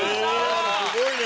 すごいね。